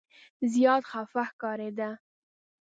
زیات خفه ښکارېد.